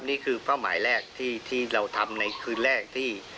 เป้าหมายแรกที่เราทำในคืนแรกที่